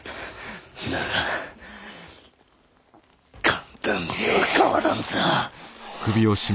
だが簡単にはかわらんぞ。